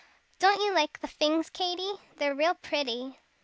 Don't you like the fings, Katy? They're real pretty!"